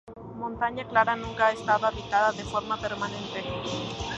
Montaña Clara nunca ha estado habitada de forma permanente.